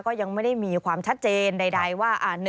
ก็ยังไม่ได้มีความชัดเจนใดว่า